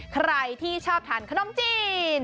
ใครที่ชอบทานขนมจีน